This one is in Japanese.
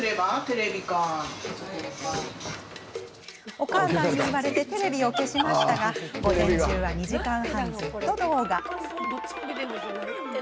お母さんに言われてテレビを消しましたが午前中は、２時間半ずっと動画。